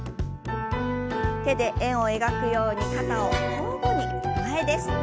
手で円を描くように肩を交互に前です。